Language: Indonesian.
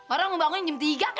orang mau bangun jam tiga kayak